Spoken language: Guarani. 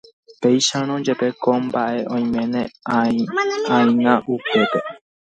péicharõ jepe kóva ko mba'e aime'aína upépe